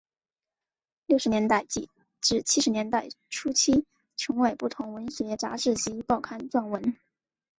六十年代至七十年代初期曾为不同文学杂志及报刊撰文。